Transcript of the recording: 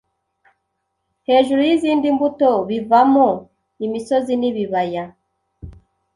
hejuru yizindi mbuto bivamo imisozi nibibaya